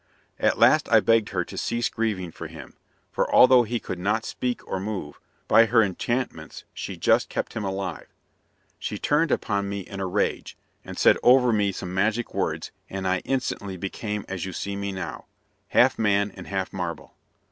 At last I begged her to cease grieving for him, for although he could not speak or move, by her enchantments she just kept him alive. She turned upon me in a rage, and said over me some magic words, and I instantly became as you see me now, half man and half marble.